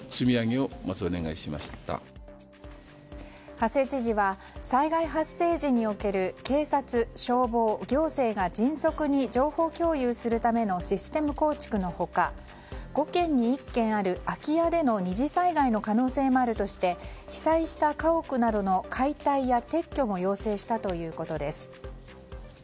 馳知事は、災害発生時における警察、消防、行政が迅速に情報共有するためのシステム構築の他５軒に１軒ある空き家での２次災害の可能性もあるとして被災した家屋などの解体や撤去も要請したということです。